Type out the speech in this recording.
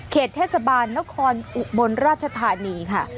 เทศบาลนครอุบลราชธานีค่ะ